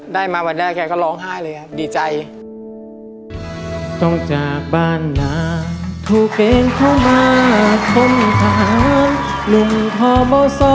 ได้มาวันแรกแกก็ร้องไห้เลยครับดีใจ